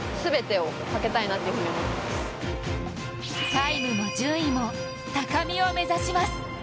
タイムも順位も高みを目指します。